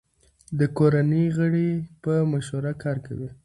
د کورنۍ غړي په مشوره کار کوي.